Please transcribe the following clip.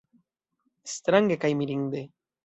Strange kaj mirinde!